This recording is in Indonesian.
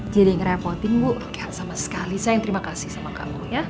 jadi ngerapotin bu sama sekali sayang terima kasih sama kamu ya